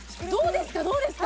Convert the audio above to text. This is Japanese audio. どうですか？